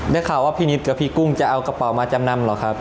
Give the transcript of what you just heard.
ได้ข่าวว่าพี่นิดกับพี่กุ้งจะเอากระเป๋ามาจำนำเหรอครับ